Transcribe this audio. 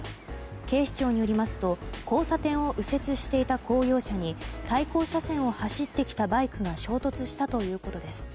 警視庁によりますと交差点を右折していた公用車に対向車線を走ってきたバイクが衝突したということです。